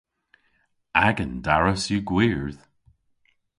Agan daras yw gwyrdh.